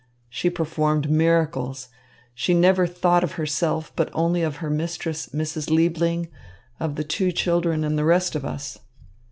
She performed miracles. She never thought of herself, but only of her mistress, Mrs. Liebling, of the two children, and the rest of us."